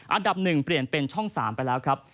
อันดับ๑เปลี่ยนเป็นช่อง๓ไปแล้วครับ